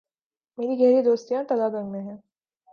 میری گہری دوستیاں تلہ گنگ میں ہیں۔